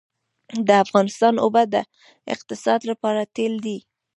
د افغانستان اوبه د اقتصاد لپاره تیل دي